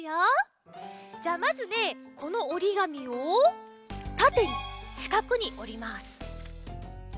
じゃあまずねこのおりがみをたてにしかくにおります。